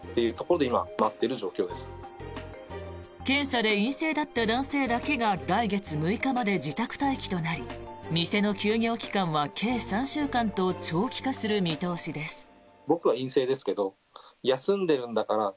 検査で陰性だった男性だけが来月６日まで自宅待機となり店の休業期間は計３週間と長期化する見通しです。